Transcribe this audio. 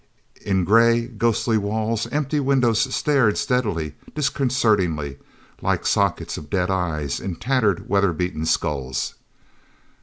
In gray, ghostly walls, empty windows stared steadily, disconcertingly like sockets of dead eyes in tattered, weatherbeaten skulls.